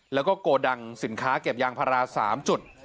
แล้วก็โกดังสินค้าเก็บยางพารา๓จุด